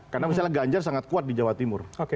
karena misalnya ganjar sangat kuat di jawa timur